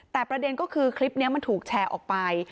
แต่ประเด็นก็คือคลิปนี้มันถูกแชร์ออกไป